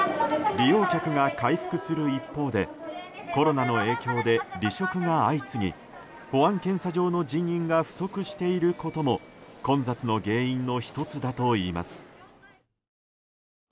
利用客が回復する一方でコロナの影響で離職が相次ぎ保安検査場の人員が不足していることも混雑の原因の１つだといいます。